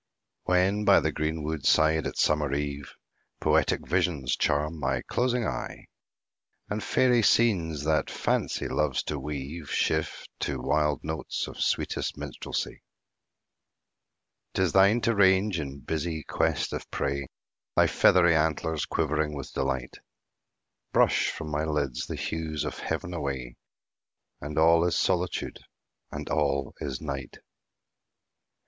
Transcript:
When by the green wood side, at summer eve, Poetic visions charm my closing eye; And fairy scenes, that Fancy loves to weave, Shift to wild notes of sweetest Minstrelsy; 'Tis thine to range in busy quest of prey, Thy feathery antlers quivering with delight, Brush from my lids the hues of heav'n away, And all is Solitude, and all is Night!